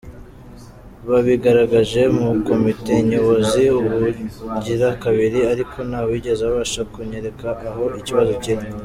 Babigaragaje muri Komite Nyobozi ubugira kabiri, ariko ntawigeze abasha kunyereka aho ikibazo kiri.